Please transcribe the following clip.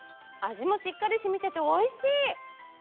味もしっかり染みてておいしい！